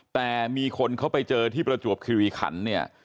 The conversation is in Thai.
แต่มีคนเขาไปเจอที่ประจวบคิริขันเนี่ย